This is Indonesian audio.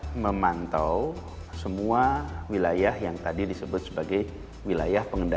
jadi kita memantau semua wilayah yang tadi disebut sebagai penyelenggaraan